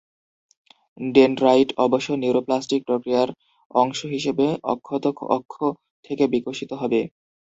Dendrite, অবশ্য, নিউরোপ্লাস্টিক প্রক্রিয়ার অংশ হিসাবে অক্ষত অক্ষ থেকে বিকশিত হবে।